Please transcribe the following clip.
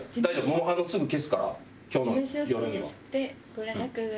もうすぐ消すから今日の夜には。